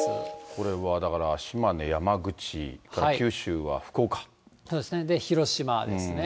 これはだから、そうですね、広島ですね。